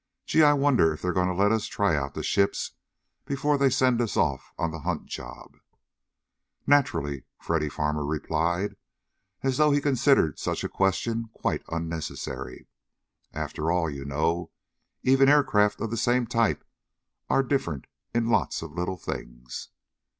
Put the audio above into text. "Gee, I wonder if they're going to let us try out the ships before they send us off on the hunt job?" "Naturally," Freddy Farmer replied, as though he considered such a question quite unnecessary. "After all, you know, even aircraft of the same type are different in lots of little things."